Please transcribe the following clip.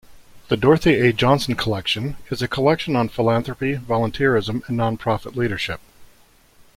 The Dorothy A. Johnson Collection is a collection on philanthropy, volunteerism, and nonprofit leadership.